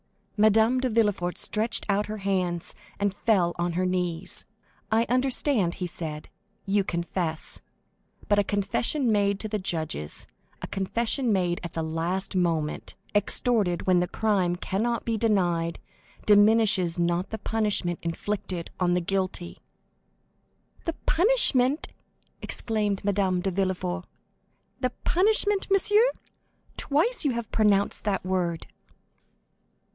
Madame de Villefort stretched out her hands, and fell on her knees. "I understand," he said, "you confess; but a confession made to the judges, a confession made at the last moment, extorted when the crime cannot be denied, diminishes not the punishment inflicted on the guilty!" "The punishment?" exclaimed Madame de Villefort, "the punishment, monsieur? Twice you have pronounced that word!"